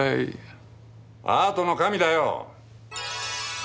アートの神だよ。